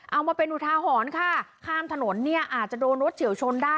เอามาไปหนูทาหอนข้ามถนนอาจจะโดนรถเจียวชนได้